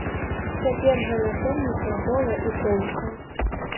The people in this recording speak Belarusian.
Цяпер жа ля помніка гола і коўзка.